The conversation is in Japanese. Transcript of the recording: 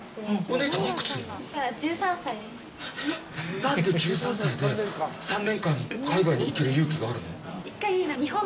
何で、１３歳で３年間海外に行ける勇気があるの？